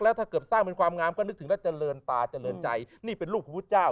ถ้าเกิดสร้างเป็นความงามก็นึกถึงแล้วเจริญตาเจริญใจนี่เป็นรูปพระพุทธเจ้า